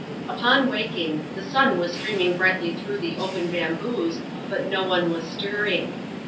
Upon awaking, the sun was streaming brightly through the open bamboos, but no one was stirring.